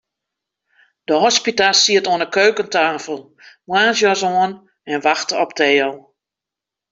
De hospita siet oan 'e keukenstafel, moarnsjas oan, en wachte op Theo.